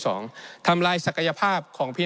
ในช่วงที่สุดในรอบ๑๖ปี